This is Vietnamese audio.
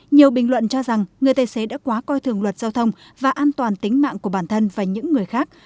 nhiều bình luận cho rằng người tài xế đã quá coi thường luật giao thông và an toàn tính mạng của bản thân và những người khác